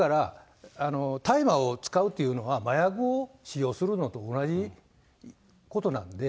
ですから、大麻を使うというのは、麻薬を使用するのと同じことなんで。